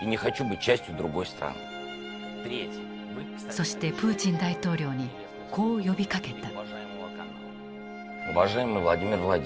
そしてプーチン大統領にこう呼びかけた。